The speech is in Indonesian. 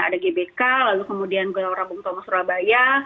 ada gbk lalu kemudian gelora bung tomo surabaya